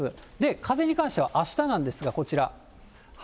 風に関してはあしたなんですが、こちら。